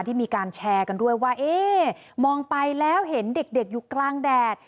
ที่มีการแชร์กันด้วยว่าเอ๊ะมองไปแล้วเห็นเด็กอยู่กลางแดด